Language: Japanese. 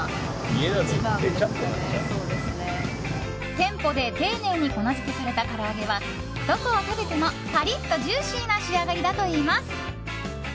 店舗で丁寧に粉づけされたから揚げは、どこを食べてもパリッとジューシーな仕上がりだといいます。